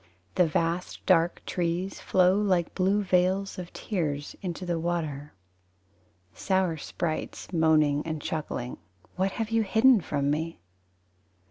The vast dark trees Flow like blue veils Of tears Into the water. Sour sprites, Moaning and chuckling, What have you hidden from me?